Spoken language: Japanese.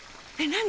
何？